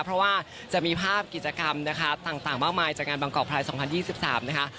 เพราะว่าจะมีภาพกิจกรรมนะคะต่างมากมายจากงานบางกอกพลาย๒๐๒๓นะคะ